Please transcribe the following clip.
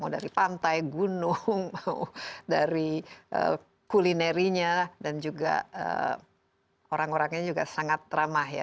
mau dari pantai gunung mau dari kulinerinya dan juga orang orangnya juga sangat ramah ya